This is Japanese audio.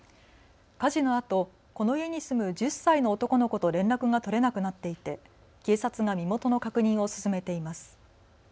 火事のあとこの家に住む１０歳の男の子と連絡が取れなくなっていて警察が身元の確認を進めています。